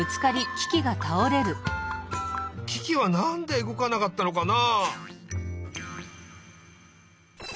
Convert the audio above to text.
キキはなんでうごかなかったのかな？